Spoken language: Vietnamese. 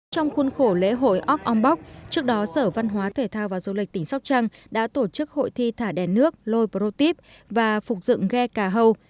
trong khuôn khổ lễ hội ok ong bóc trước đó sở văn hóa thể thao và du lịch tỉnh sóc trăng đã tổ chức hội thi thả đèn nước lôi pro tip và phục dựng ghe ca hâu